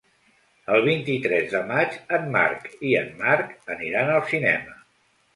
El vint-i-tres de maig en Marc i en Marc aniran al cinema.